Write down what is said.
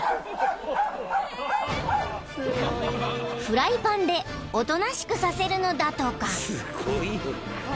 ［フライパンでおとなしくさせるのだとか］